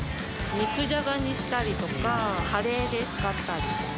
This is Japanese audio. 肉じゃがにしたりとか、カレーで使ったり。